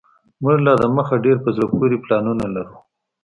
موږ لا دمخه ډیر په زړه پوري پلانونه لرو